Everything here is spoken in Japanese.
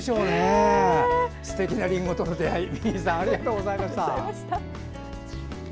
すてきなりんごとの出会いミニーさんありがとうございました。